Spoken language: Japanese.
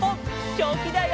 チョキだよ。